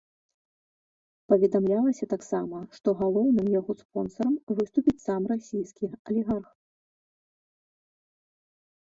Паведамлялася таксама, што галоўным яго спонсарам выступіць сам расійскі алігарх.